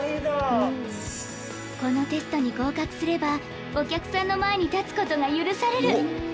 このテストに合格すればお客さんの前に立つことが許される。